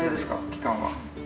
期間は。